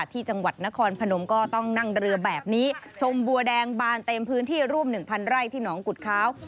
ที่จังหวัดนครพนมก็ต้องนั่งเรือแบบนี้ชมบัวแดงบานเต็มพื้นที่ร่วม๑๐๐ไร่ที่หนองกุฎค้าว